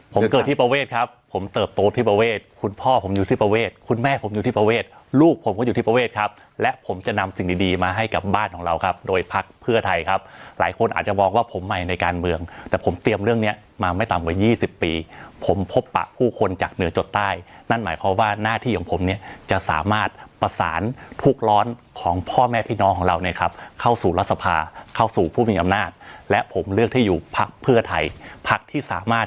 ผมเกิดที่ประเวทครับผมเติบโตที่ประเวทคุณพ่อผมอยู่ที่ประเวทคุณแม่ผมอยู่ที่ประเวทลูกผมก็อยู่ที่ประเวทครับและผมจะนำสิ่งดีมาให้กับบ้านของเราครับโดยพักเพื่อไทยครับหลายคนอาจจะมองว่าผมมาในการเมืองแต่ผมเตรียมเรื่องนี้มาไม่ต่ำกว่า๒๐ปีผมพบปะผู้คนจากเหนือจดใต้นั่นหมายความว่าหน้าที่ของผมเนี่ยจะสามารถ